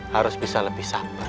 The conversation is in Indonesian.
harus bisa lebih sabar